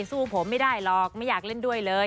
สู้ผมไม่ได้หรอกไม่อยากเล่นด้วยเลย